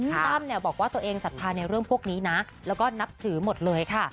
ตั้มเนี่ยบอกว่าตัวเองสัทธาในเรื่องพวกนี้นะแล้วก็นับถือหมดเลยค่ะ